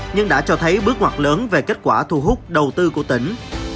nhưng đã cho thấy bước ngoặt lớn về kết quả thu hút đầu tư của tỉnh